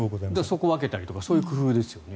そこを分けたりとかそういう工夫ですよね。